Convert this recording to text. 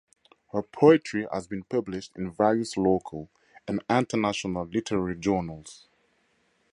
Her poetry has been published in various local and international literary journals.